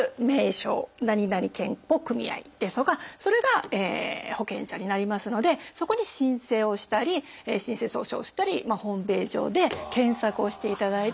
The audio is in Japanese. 何々健保組合ですとかそれが保険者になりますのでそこに申請をしたり申請書を送付したりホームページ上で検索をしていただいて手続きをすると。